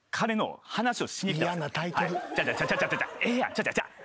ちゃうちゃう。